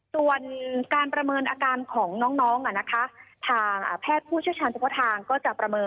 ส่วนการประเมินอาการของน้องนะคะ